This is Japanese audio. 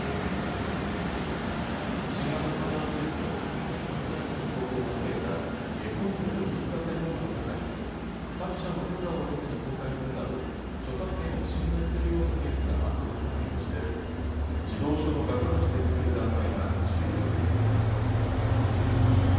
新型コロナウイルスの感染拡大後に投稿が増えた絵本の読み聞かせ動画の中に作者の許可を得ずに公開するなど著作権を侵害するようなケースが後を絶たないとして児童書の画家たちで作る団体が注意を呼びかけています。